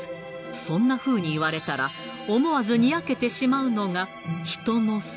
そんなふうに言われたら思わずニヤけてしまうのが人の性。